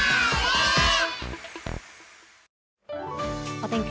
お天気